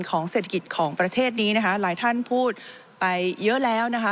ของเศรษฐกิจของประเทศนี้นะคะหลายท่านพูดไปเยอะแล้วนะคะ